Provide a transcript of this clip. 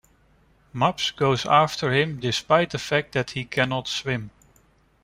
Maps goes after him despite the fact that he cannot swim.